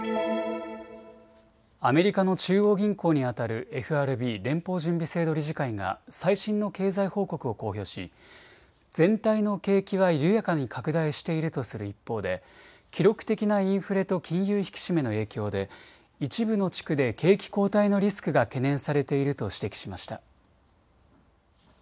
アメリカの中央銀行に当たるＦＲＢ・連邦準備制度理事会が最新の経済報告を公表し、全体の景気は緩やかに拡大しているとする一方で記録的なインフレと金融引き締めの影響で一部の地区で景気後退のリスクが懸念されていると指摘しました。